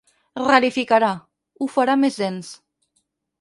Rarificarà, ho farà més dens.